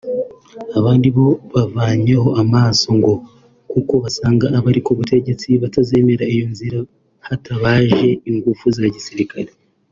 abandi bo bavanyeyo amaso ngo kuko basanga abari ku butegetsi batazemera iyo nzira hatabaje ingufu za gisirikare